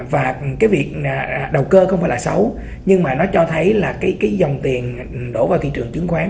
và cái việc đầu cơ không phải là xấu nhưng mà nó cho thấy là cái dòng tiền đổ vào thị trường chứng khoán